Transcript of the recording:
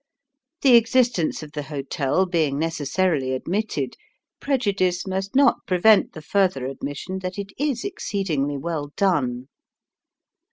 The existence of the hotel being necessarily admitted, prejudice must not prevent the further admission that it is exceedingly well done.